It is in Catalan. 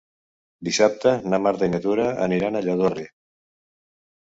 Dissabte na Marta i na Tura aniran a Lladorre.